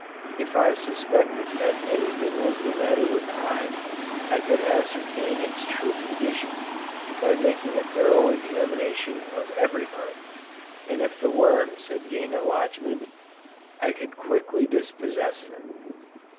If I suspected that any thing was the matter with a hive, I could ascertain its true condition, by making a thorough examination of every part, and if the worms had gained a lodgment, I could quickly dispossess them.